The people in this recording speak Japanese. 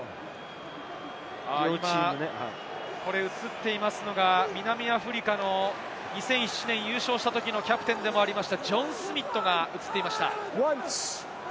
今、映っていますのが南アフリカの２００７年優勝したときのキャプテンでもありました、ジョン・スミットでした。